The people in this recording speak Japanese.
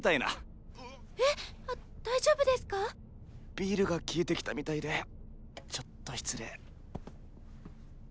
ビールが効いてきたみたいでちょっと失礼。